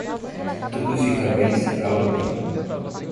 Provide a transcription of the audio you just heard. Tudo fica bem se acaba bem.